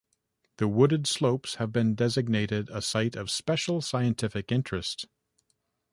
The wooded slopes have been designated a Site of Special Scientific Interest.